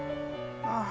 ああ。